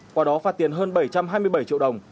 qua đó phạt tiền hơn bảy trăm hai mươi bảy triệu đồng